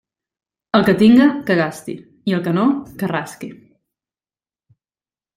El que tinga, que gaste, i el que no, que rasque.